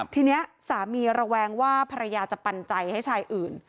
ทีนี้สามีระแวงว่าภรรยาจะปันใจให้ชายอื่น